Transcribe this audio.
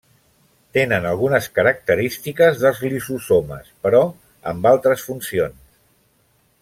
Tenen algunes característiques dels lisosomes però amb altres funcions.